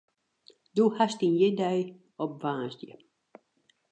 Do hast dyn jierdei op woansdei.